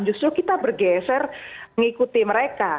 justru kita bergeser mengikuti mereka